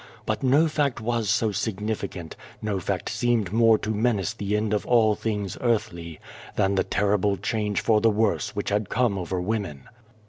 But no fact was so significant, no fact seemed more to menace the end of all things earthly, than the terrible change for the worse which had come over women.